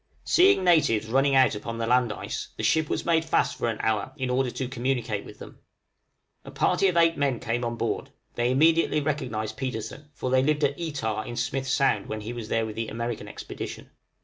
Seeing natives running out upon the land ice, the ship was made fast for an hour in order to communicate with them. A party of eight men came on board: they immediately recognized Petersen, for they lived at Etah in Smith's Sound when he was there in the American expedition.